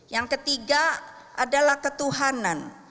yang ketiga adalah ketuhanan